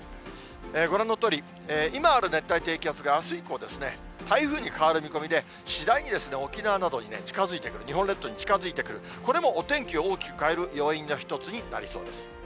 ご覧のとおり、今ある熱帯低気圧があす以降、台風に変わる見込みで、次第に沖縄などに近づいてくる、日本列島に近づいてくる、これもお天気大きく変える要因の一つになりそうです。